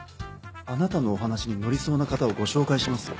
あなたのお話に乗りそうな方をご紹介しますよ。